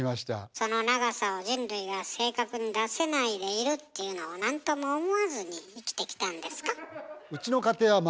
その長さを人類が正確に出せないでいるっていうのを何とも思わずに生きてきたんですか？